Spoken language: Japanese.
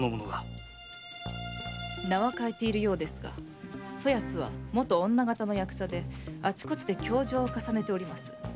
名は変えていますがそやつは元女形の役者であちこちで凶状を重ねております。